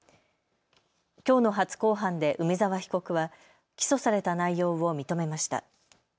きょうの初公判で梅澤被告は起訴された内容を認めました。